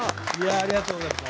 ありがとうございます。